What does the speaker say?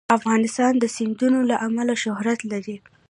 افغانستان د سیندونه له امله شهرت لري.